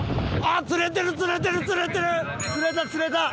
釣れた釣れた！